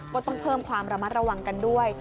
ก็ต้องเพิ่มความระมัดระวังกันด้วย